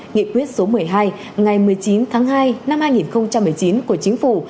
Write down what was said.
nghị quyết số một mươi hai ngày một mươi chín tháng hai năm hai nghìn một mươi chín của chính phủ